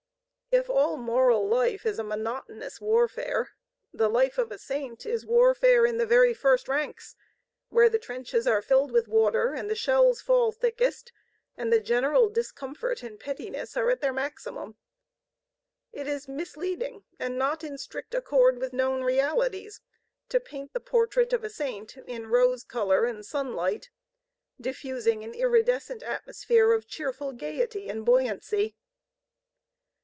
If all moral life is a monotonous warfare, the life of a Saint is warfare in the very first ranks where the trenches are filled with water and the shells fall thickest and the general discomfort and pettiness are at their maximum. It is misleading and not in strict accord with known realities, to paint the portrait of a Saint in rose color and sunlight, diffusing an iridescent atmosphere of cheerful gayety and buoyancy.